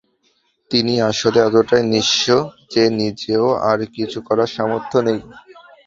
তিনি আসলে এতটাই নিঃস্ব যে নিজেও আর কিছু করার সামর্থ নেই।